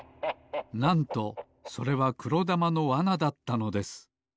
なんとそれはくろだまのわなだったのです。